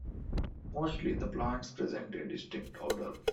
Mostly, the plants present a distinct odor.